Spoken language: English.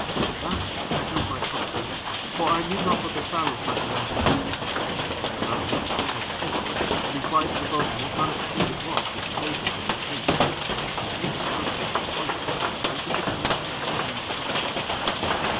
At that, I held my tongue; for I knew not but that silence might be their desire; but I ran hastily over to them, and inquired of the bo'sun what manner of thing it was which called them from their sleep, and he, for answer, pointed out into the greatness of the weed continent.